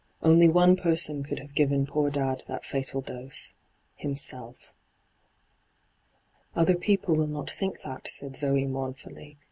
Only one person could have given poor dad that fatal dose — himself t' * Other people will not think that,' said Zoe mournfully.